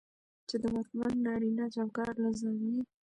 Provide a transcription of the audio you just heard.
چې د واکمن نارينه چوکاټ له زاويې